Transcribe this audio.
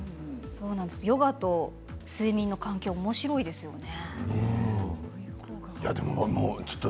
ヨガと睡眠の関係おもしろいですよね。